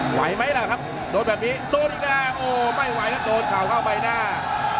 ไหวไหมล่ะครับโดนแบบนี้โดนอีกแล้วโอ้ไม่ไหวแล้วโดนเข่าเข้าใบหน้า